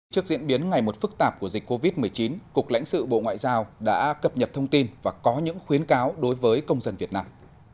trước diễn biến ngày một phức tạp của dịch covid một mươi chín cục lãnh sự bộ ngoại giao đã cập nhật thông tin và có những khuyến cáo đối với công dân việt nam